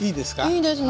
いいですね！